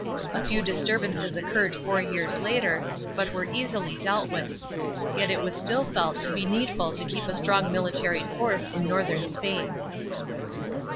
A few disturbances occurred four years later, but were easily dealt with ; yet it was still felt to be needful to keep a strong military force in northern Spain.